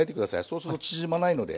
そうすると縮まないので。